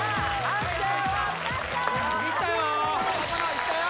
いったよ！